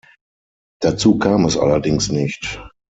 Dazu kam es allerdings nicht.